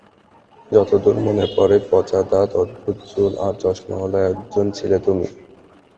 যতদূর মনে পড়ে, পচা দাঁত, অদ্ভুত চুল আর চশমাওয়ালা একজন ছিলে তুমি।